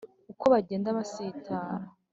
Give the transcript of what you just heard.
Uko bagenda basitara